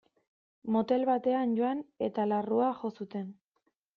Motel batean joan eta larrua jo zuten.